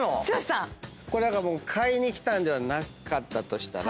だから買いに来たんではなかったとしたら。